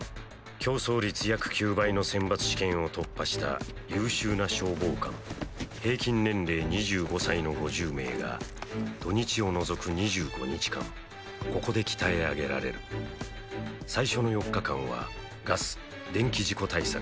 競争率約９倍の選抜試験を突破した優秀な消防官平均年齢２５歳の５０名が土日を除く２５日間ここで鍛え上げられる最初の４日間はガス電気事故対策